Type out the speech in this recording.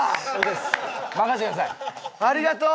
ありがとう！